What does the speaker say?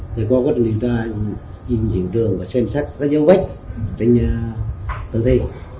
thì qua quá trình diễn ra diễn trường và xem xét các dấu vết tình tư thi